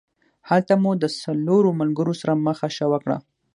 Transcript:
هلته مو د څلورو ملګرو سره مخه ښه وکړه.